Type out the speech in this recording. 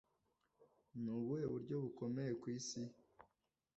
Ni ubuhe buryo bukomeye ku isi